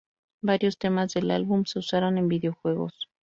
Varios temas del álbum, se usaron en videojuegos.